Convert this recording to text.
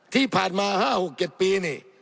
ที่ผ่านมา๕๖๗ปีนี่